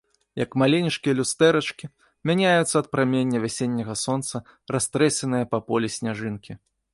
Як маленечкія люстэрачкі, мяняюцца ад прамення вясенняга сонца растрэсеныя па полі сняжынкі.